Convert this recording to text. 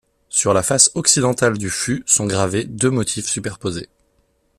Sur la face occidentale du fût sont gravés deux motifs superposés.